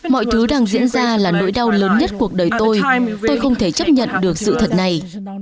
mọi thứ đang diễn ra là nỗi đau lớn nhất cuộc đời tôi tôi không thể chấp nhận được sự thật này